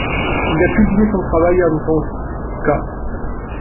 Il a publié son travail en tant qu'A.